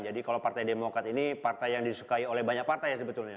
jadi kalau partai demokrat ini partai yang disukai oleh banyak partai ya sebetulnya